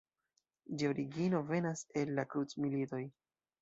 Ĝia origino venas el la Krucmilitoj.